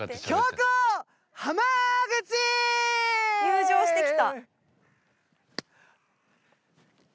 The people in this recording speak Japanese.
入場してきた。